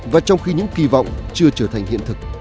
và trong khi những kỳ vọng chưa trở thành hiện thực